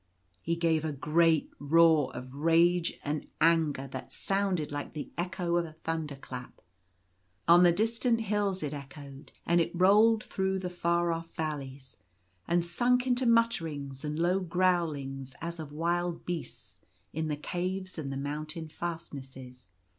He gave a great roar of rage and anger, that sounded like the echo of a thunder clap. On the distant hills it echoed, and it rolled through the far off valleys, and sunk into mutterings and low growlings, as of wild beasts, in the caves and the mountain fastnesses.